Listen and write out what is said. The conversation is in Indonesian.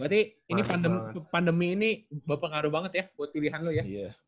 berarti ini pandemi ini berpengaruh banget ya buat pilihan lo ya